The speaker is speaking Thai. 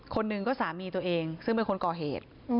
คนหนึ่งก็สามีตัวเองซึ่งเป็นคนก่อเหตุ